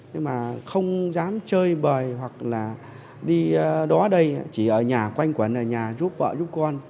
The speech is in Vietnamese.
nhưng mà không dám chơi bời hoặc là đi đó đây chỉ ở nhà quanh quẩn ở nhà giúp vợ giúp con